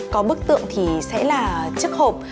có bức tượng thì sẽ là chiếc hộp